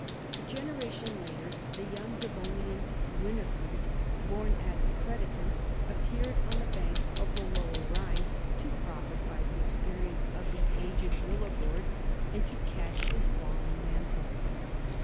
A g eneration later the vouno Devonian Winifried, born at Crediton, appeared on the banks of the Lower Rhine, to profit by the experience of the aged Willibrord and to catch his falling mantle.